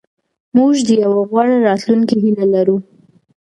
موږ د یوې غوره راتلونکې هیله لرو.